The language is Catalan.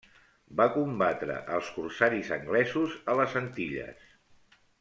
Va combatre als corsaris anglesos a les Antilles.